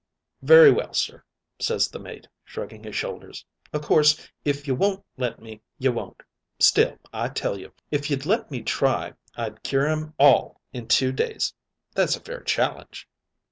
"'Very well, sir,' ses the mate, shrugging his shoulders. 'O' course, if you won't let me you won't. Still, I tell you, if you'd let me try I'd cure 'em all in two days. That's a fair challenge.'